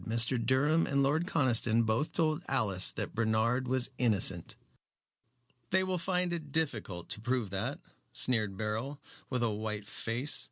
Mr. Durham and Lord Conniston both told Alice that Bernard was innocent." "They will find it difficult to prove that," sneered Beryl, with a white face.